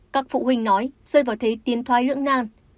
các phụ huynh nói rơi vào thế tiến thoái lưỡng nan